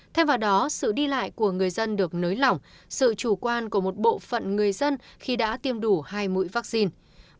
thêm vào đó sự đi lại của người dân được nới lỏng sự chủ quan của một bộ phận người dân khi đã tiêm đủ hai mũi vaccine